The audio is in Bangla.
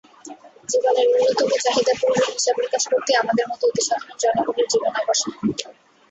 জীবনের ন্যূনতম চাহিদা পূরণের হিসাবনিকাশ করতেই আমাদের মতো অতিসাধারণ জনগণের জীবনাবসান ঘটে।